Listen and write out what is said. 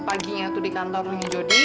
paginya tuh di kantor nyedodi